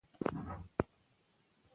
تاریخ د خپل ولس د شجاعت لامل دی.